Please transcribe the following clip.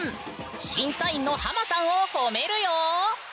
審査員のハマさんを褒めるよ！